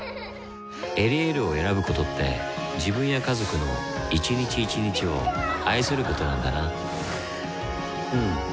「エリエール」を選ぶことって自分や家族の一日一日を愛することなんだなうん。